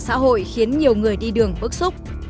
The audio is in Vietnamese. xã hội khiến nhiều người đi đường bức xúc